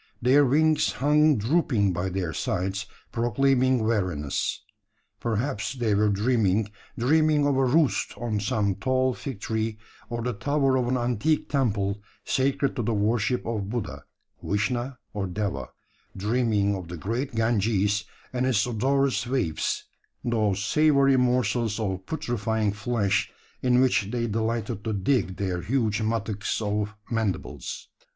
Their wings hung drooping by their sides, proclaiming weariness. Perhaps they were dreaming dreaming of a roost on some tall fig tree, or the tower of an antique temple sacred to the worship of Buddha, Vishna, or Deva dreaming of the great Ganges, and its odorous waifs those savoury morsels of putrefying flesh, in which they delighted to dig their huge mattocks of mandibles.